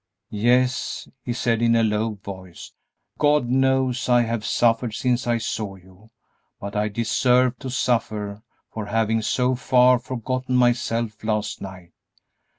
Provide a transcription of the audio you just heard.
"Yes," he said, in a low voice, "God knows I have suffered since I saw you, but I deserve to suffer for having so far forgotten myself last night.